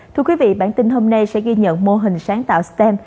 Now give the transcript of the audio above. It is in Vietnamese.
thưa quý vị bản tin hôm nay sẽ ghi nhận mô hình sáng tạo stem